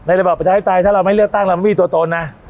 ระบอบประชาธิปไตยถ้าเราไม่เลือกตั้งเราไม่มีตัวตนนะ